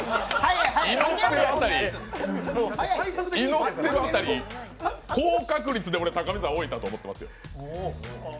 祈ってる辺り、高確率で俺高見沢置いたと思ってますよ。